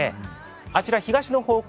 あちら東の方向